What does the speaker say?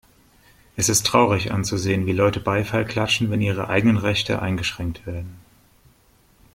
Es ist traurig anzusehen, wie Leute Beifall klatschen, wenn ihre eigenen Rechte eingeschränkt werden.